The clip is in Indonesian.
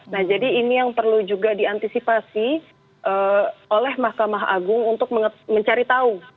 nah jadi ini yang perlu juga diantisipasi oleh mahkamah agung untuk mencari tahu